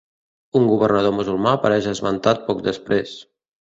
Un governador musulmà apareix esmentat poc després.